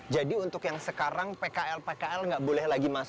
jadi untuk yang sekarang bkl bkl nggak boleh lagi